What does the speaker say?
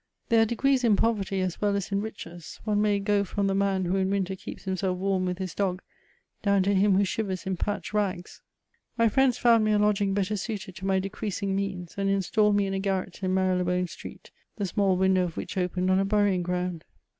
There are degrees in poverty as well as in riches ; one may go from the man who in winter keeps himself warm with his dog, down to him who shivers in patched rags. My friends found me a lodging better suited to my decreasing means, and installed me in a garret in Mary le bone Street, the small window of which opened on a burying ground.